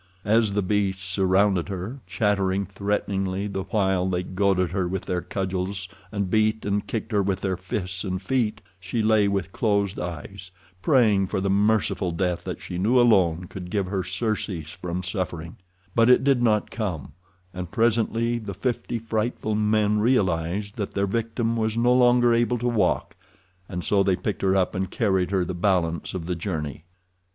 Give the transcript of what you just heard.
As the beasts surrounded her, chattering threateningly the while they goaded her with their cudgels and beat and kicked her with their fists and feet, she lay with closed eyes, praying for the merciful death that she knew alone could give her surcease from suffering; but it did not come, and presently the fifty frightful men realized that their victim was no longer able to walk, and so they picked her up and carried her the balance of the journey.